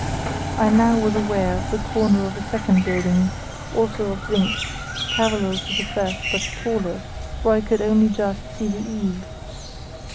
I now was aware of the corner of a second building, also of zinc, parallel to the first, but taller, for I could only just see the eave.